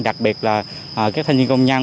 đặc biệt là các thanh niên công nhân